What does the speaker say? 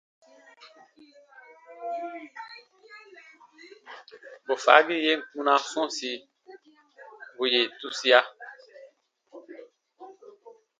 Bù faagi yen kpunaa sɔ̃ɔsi, bù yè tusia.